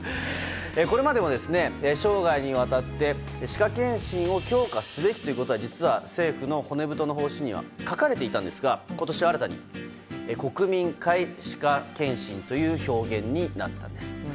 これまでも生涯にわたって歯科検診を強化すべきということは政府の骨太の方針には書かれていたんですが今年新たに国民皆歯科検診という表現になったんです。